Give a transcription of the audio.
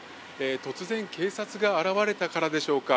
突然、警察が現れたからでしょうか。